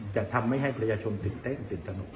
จะทำให้ให้ประชาชนตื่นเต้มหรือตื่นนอน